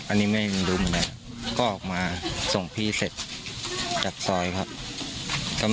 อันนี้ไม่รู้เหมือนกันก็ออกมาส่งพี่เสร็จจากซอยครับ